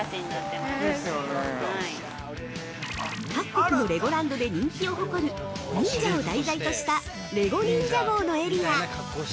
◆各国のレゴランドで人気を誇る忍者を題材としたレゴニンジャゴーのエリア。